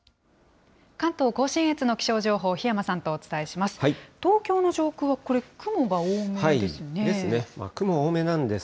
関東甲信越の気象情報、檜山さんとお伝えします。